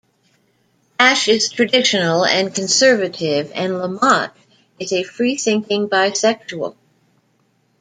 Ash is traditional and conservative and LaMotte is a freethinking bisexual.